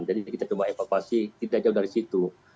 jadi kita cuma evakuasi tidak jauh dari situ